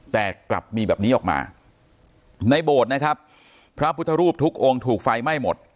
แต่กลับมีแบบนี้ออกมาในโบสถ์นะครับพระพุทธรูปทุกองค์ถูกไฟไหม้หมด